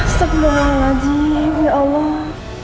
astaghfirullahaladzim ya allah